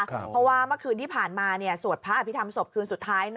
เพราะว่าเมื่อคืนที่ผ่านมาสวดพระอภิษฐรรศพคืนสุดท้าย